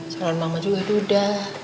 salon mama juga duda